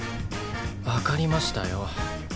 わかりましたよ。